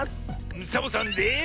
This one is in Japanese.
サボさんです。